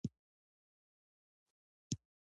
د سيد يعقوب بابا د زيارت قبلې لوري ته